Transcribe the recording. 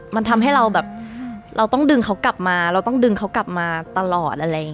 มันทำให้เราแบบเราต้องดึงเขากลับมาเราต้องดึงเขากลับมาตลอดอะไรอย่างนี้